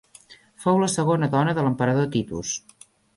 Fou la segona dona de l'emperador Titus.